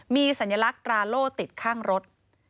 มีสัญลักษณ์ตราโล่ติดข้างรถ